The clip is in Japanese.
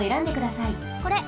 これ！